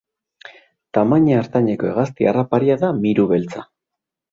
Tamaina ertaineko hegazti harraparia da miru beltza.